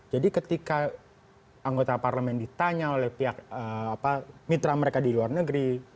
jadi ketika anggota parlemen ditanya oleh pihak apa mitra mereka di luar negeri